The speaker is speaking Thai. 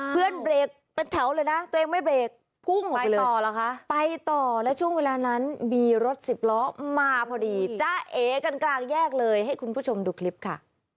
เพื่อนเบรกเป็นแถวเลยนะตัวเองไม่เบรกพุ่งไปต่อเหรอคะไปต่อและช่วงเวลานั้นมีรถสิบล้อมาพอดีจ้าเอกันกลางแยกเลยให้คุณผู้ชมดูคลิปค่ะ